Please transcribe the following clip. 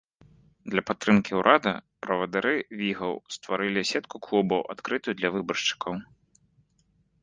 Для падтрымкі ўрада правадыры вігаў стварылі сетку клубаў, адкрытую для выбаршчыкаў.